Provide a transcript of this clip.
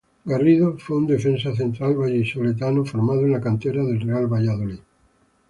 Garrido fue un defensa central vallisoletano formado en la cantera del Real Valladolid.